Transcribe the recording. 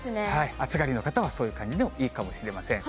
暑がりの方はそういう感じでもいいかもしれません。